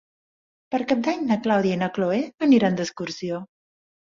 Per Cap d'Any na Clàudia i na Cloè aniran d'excursió.